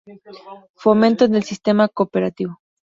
Fomento del Sistema Cooperativo.